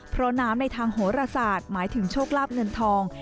เพราะน้ำในทางโหรศาสตร์หมายถึงโชคลาภเงินทอง